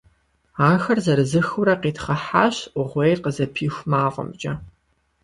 Ахэр зырызыххэурэ къитхъыхьащ Iугъуейр къызыпиху мафIэмкIэ.